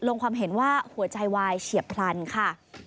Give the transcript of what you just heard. ความเห็นว่าหัวใจวายเฉียบพลันค่ะ